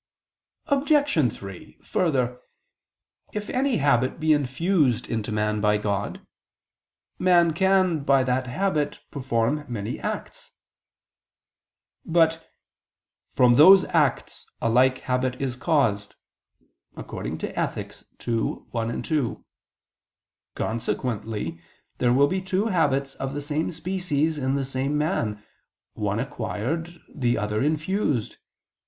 Obj. 3: Further, if any habit be infused into man by God, man can by that habit perform many acts. But "from those acts a like habit is caused" (Ethic. ii, 1, 2). Consequently there will be two habits of the same species in the same man, one acquired, the other infused.